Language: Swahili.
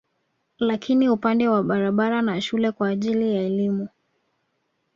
Lakini upande wa barabara na shule kwa ajili ya elimu